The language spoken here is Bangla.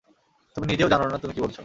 তুমি নিজেও জানো না তুমি কি বলছ!